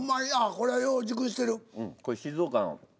これ静岡の。